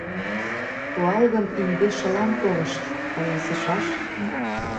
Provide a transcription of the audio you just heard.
— Туалгын индешылан толышт, каласышаш...